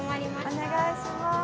お願いします。